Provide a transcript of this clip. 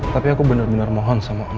tapi aku bener bener mohon sama om